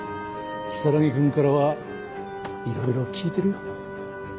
如月君からはいろいろ聞いてるよ。